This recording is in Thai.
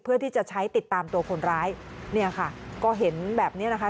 เพื่อที่จะใช้ติดตามตัวคนร้ายเนี่ยค่ะก็เห็นแบบเนี้ยนะคะ